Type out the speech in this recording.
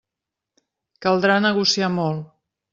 Caldrà negociar molt.